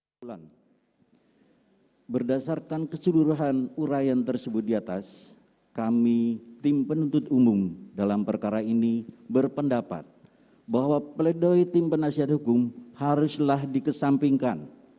pertama berdasarkan keseluruhan urayan tersebut di atas kami tim penuntut umum dalam perkara ini berpendapat bahwa pledoi tim penasihat hukum haruslah dikesampingkan